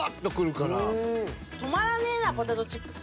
止まらねぇなポテトチップス。